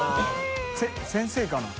先生かな？